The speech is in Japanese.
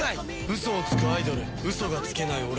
ウソをつくアイドルウソがつけない俺。